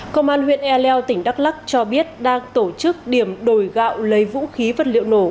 công an huyện e leo tỉnh đắk lắc cho biết đang tổ chức điểm đổi gạo lấy vũ khí vật liệu nổ